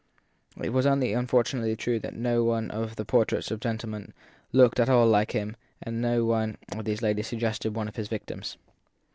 It was only unfortunately true that no one of the portraits of gentlemen looked at all like him and no one of those of ladies suggested one of his victims.